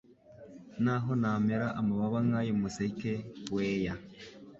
N’aho namera amababa nk’ay’umuseke weya